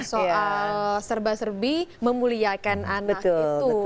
soal serba serbi memuliakan anak itu